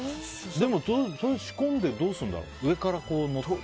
でも、それを仕込んでどうするんだろう？